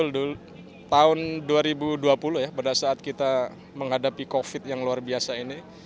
betul tahun dua ribu dua puluh ya pada saat kita menghadapi covid yang luar biasa ini